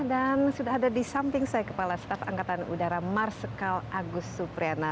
dan sudah ada di samping saya kepala staf angkatan udara marskal agus supriana